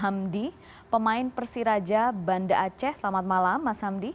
hamdi pemain persiraja banda aceh selamat malam mas hamdi